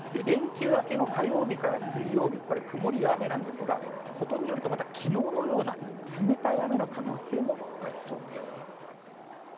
連休明けの火曜日から水曜日、これ、曇りや雨なんですが、ことによると、またきのうのような冷たい雨の可能性もありそうです。